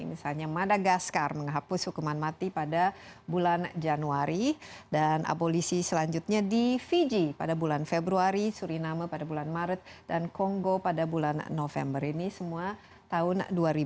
misalnya madagaskar menghapus hukuman mati pada bulan januari dan abolisi selanjutnya di fiji pada bulan februari suriname pada bulan maret dan kongo pada bulan november ini semua tahun dua ribu dua